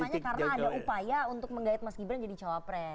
iya tapi ini temanya karena ada upaya untuk menggait mas gibran jadi cawapres